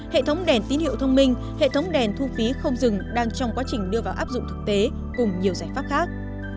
hệ thống đèn tín hiệu thông minh hệ thống đèn thu phí không dừng đang trong quá trình đưa vào áp dụng thực tế cùng nhiều giải pháp khác